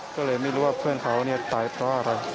ก็เลยไม่รู้ว่าเพื่อนเขาเนี่ยตายเพราะอะไร